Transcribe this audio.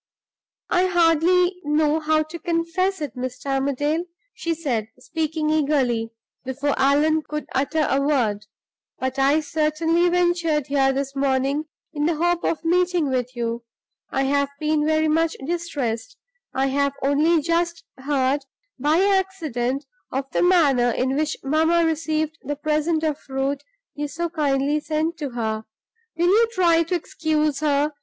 "I hardly know how to confess it, Mr. Armadale," she said, speaking eagerly, before Allan could utter a word, "but I certainly ventured here this morning in the hope of meeting with you. I have been very much distressed; I have only just heard, by accident, of the manner in which mamma received the present of fruit you so kindly sent to her. Will you try to excuse her?